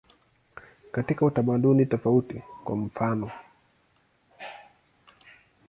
Katika utamaduni tofauti, kwa mfanof.